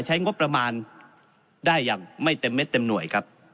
ใช้งบประมาณได้อย่างไม่เต็มเม็ดเต็มหน่วยครับ